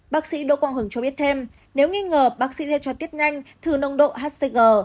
bác sĩ đỗ quang hưng cho biết thêm nếu nghi ngờ bác sĩ sẽ cho tiết nhanh thử nông độ hcg